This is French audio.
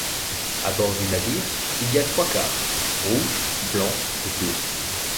À bord du navire, il y a trois quarts: rouge, blanc et bleu.